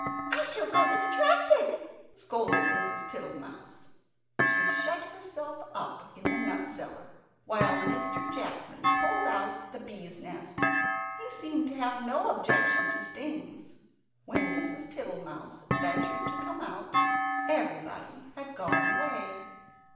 "I shall go distracted!" scolded Mrs. Tittlemouse. She shut herself up in the nut cellar while Mr. Jackson pulled out the bees nest. He seemed to have no objection to stings. When Mrs. Tittlemouse ventured to come out everybody had gone away.